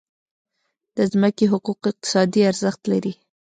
د ځمکې حقوق اقتصادي ارزښت لري.